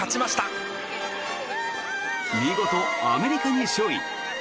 見事、アメリカに勝利。